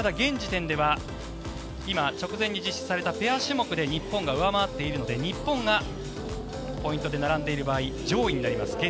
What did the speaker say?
ただ、現時点では今、直前に実施されたペア種目で日本が上回っているので日本がポイントで並んでいる場合上位になります。